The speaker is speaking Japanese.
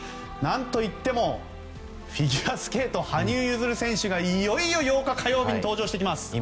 何といってもフィギュアスケート羽生結弦選手がいよいよ８日火曜日に登場してきます。